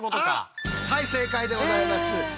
はい正解でございます。